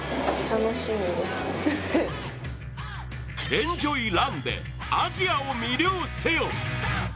エンジョイ・ランでアジアを魅了せよ！